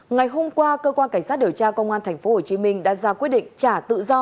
ngày hôm qua cơ quan cảnh sát điều tra công an tp hcm đã ra quyết định trả tự do